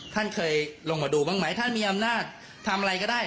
ท่านเคยลงมาดูบ้างไหมท่านมีอำนาจทำอะไรก็ได้